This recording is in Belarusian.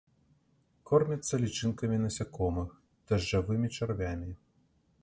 Кормяцца лічынкамі насякомых, дажджавымі чарвямі.